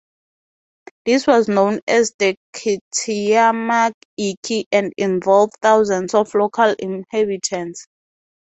This was known as the "Kitayama Ikki" and involved thousands of local inhabitants.